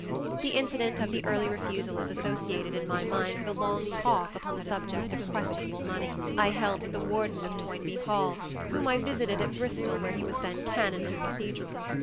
The incident of the early refusal is associated in my mind with a long talk upon the subject of questionable money I held with the warden of Toynbee Hall, whom I visited at Bristol where he was then canon in the Cathedral.